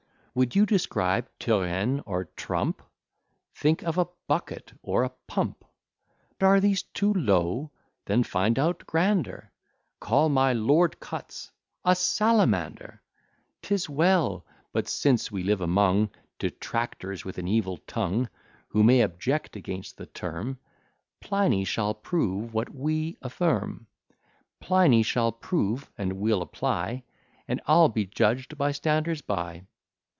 _ Would you describe Turenne or Trump? Think of a bucket or a pump. Are these too low? then find out grander, Call my LORD CUTTS a Salamander. 'Tis well; but since we live among Detractors with an evil tongue, Who may object against the term, Pliny shall prove what we affirm: Pliny shall prove, and we'll apply, And I'll be judg'd by standers by.